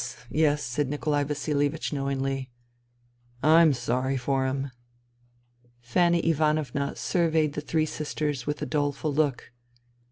. yes," said Nikolai Vasilievich know ingly. " I'm sorry for him.'* Fanny Ivanovna surveyed the three sisters with a doleful look.